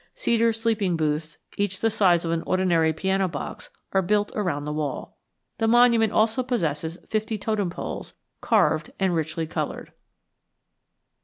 Cedar sleeping booths, each the size of an ordinary piano box, are built around the wall. The monument also possesses fifty totem poles, carved and richly colored.